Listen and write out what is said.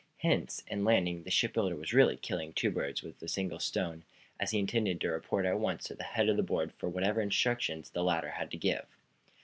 Hence, in landing, the shipbuilder was really killing two birds with a single stone, as he intended to report at once to the head of the board for whatever instructions the latter had to give.